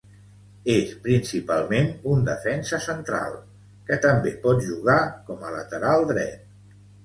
És principalment un defensa central, que també pot jugar com a lateral dret.